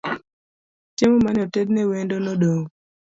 Chiemo mane otedne wendo nodong'